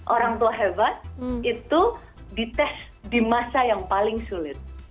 orang tua hebat itu dites di masa yang paling sulit